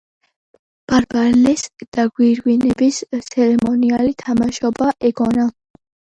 ბარბალეს დაგვირგვინების ცერემონიალი თამაშობა ეგონა.